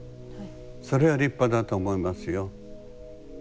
それは立派だと思いますよ。